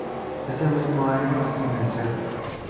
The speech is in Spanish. Ese mismo año, en el St.